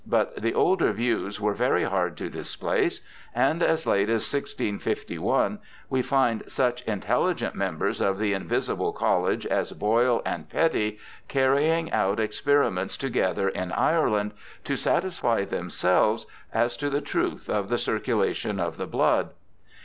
But the older views were very hard to displace, and as late as 1651 we find such intelligent members of the ' invisible college ' as Boyle and Petty carrying out experiments together in Ireland to satisfy them selves as to the truth of the circulation of the blood.